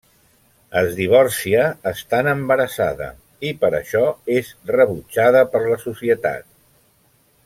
Es divorcia estant embarassada i per això és rebutjada per la societat.